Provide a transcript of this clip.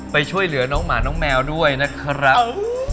ไปช่วยเหลือน้องหมาน้องแมวด้วยนะครับ